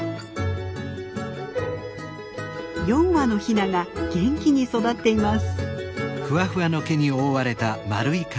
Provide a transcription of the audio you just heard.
４羽のヒナが元気に育っています。